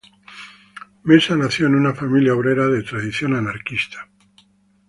Mesa nació en una familia obrera de tradición anarquista.